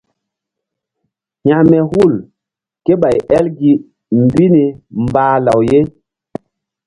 Hekme hul ké ɓay el gi mbi ni mbah law ye.